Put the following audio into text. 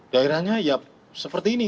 daerahnya ya seperti ini